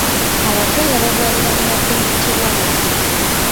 Abakyala bazaalira mu mateniti waadi.